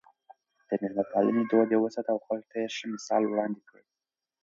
د مېلمه پالنې دود يې وساته او خلکو ته يې ښه مثال وړاندې کړ.